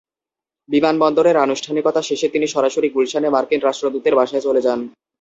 বিমানবন্দরের আনুষ্ঠানিকতা শেষে তিনি সরাসরি গুলশানে মার্কিন রাষ্ট্রদূতের বাসায় চলে যান।